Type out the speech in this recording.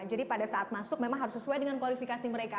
jadi pada saat masuk memang harus sesuai dengan kualifikasi mereka